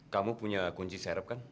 kamu punya kunci serep kan